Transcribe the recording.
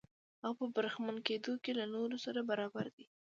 هغه په برخمن کېدو کې له نورو سره برابر دی.